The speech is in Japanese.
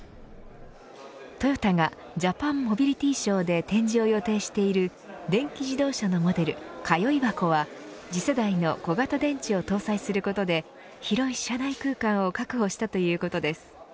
トヨタがジャパンモビリティショーで展示を予定している電気自動車のモデルＫＡＹＯＩＢＡＫＯは次世代の小型電池を搭載することで広い車内空間を確保したということです。